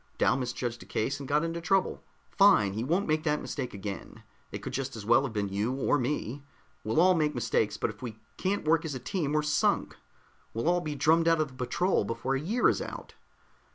Dal misjudged a case and got in trouble. Fine, he won't make that mistake again. It could just as well have been you, or me. We'll all make mistakes, but if we can't work as a team, we're sunk. We'll all be drummed out of the patrol before a year is out."